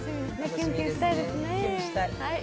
キュンキュンしたいですね。